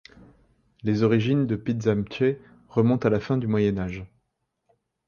Les origines de Pidzamtche remontent à la fin du Moyen Âge.